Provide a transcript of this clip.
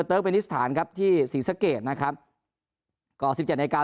เติร์กเบนิสฐานครับที่ศรีสะเกดนะครับก็สิบเจ็ดนาฬิกา